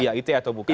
ya ite atau bukan